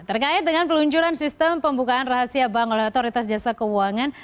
terkait dengan peluncuran sistem pembukaan rahasia bank oleh otoritas jasa keuangan